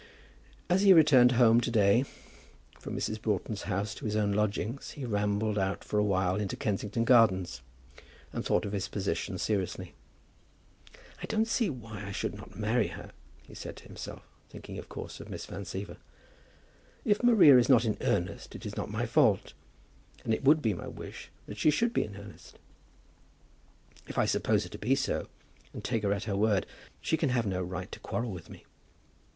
As he returned home to day from Mrs. Broughton's house to his own lodgings he rambled out for a while into Kensington Gardens, and thought of his position seriously. "I don't see why I should not marry her," he said to himself, thinking of course of Miss Van Siever. "If Maria is not in earnest it is not my fault. And it would be my wish that she should be in earnest. If I suppose her to be so, and take her at her word, she can have no right to quarrel with me.